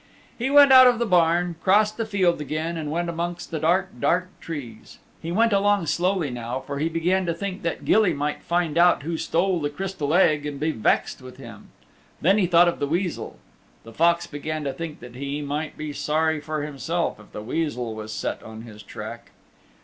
He went out of the barn, crossed the field again, and went amongst the dark, dark trees. He went along slowly now for he began to think that Gilly might find out who stole the Crystal Egg and be vexed with him. Then he thought of the Weasel. The Fox began to think he might be sorry for himself if the Weasel was set on his track.